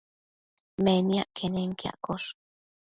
Meniac quenenquiaccosh